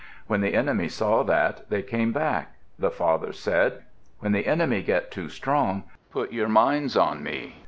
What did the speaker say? When the enemy saw that, they came back. The father said, "When the enemy get too strong, put your minds on me."